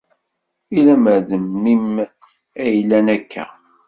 I lemmer d memmi-m ay yellan akka?